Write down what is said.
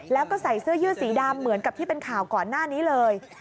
แล้วก็ใส่เสื้อยืดสีดำเหมือนกับที่เป็นข่าวก่อนหน้านี้เลย